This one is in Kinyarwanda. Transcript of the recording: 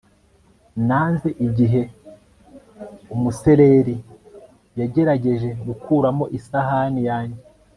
nanze igihe umusereri yagerageje gukuramo isahani yanjye